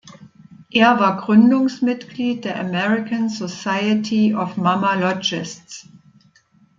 Er war Gründungsmitglied der American Society of Mammalogists.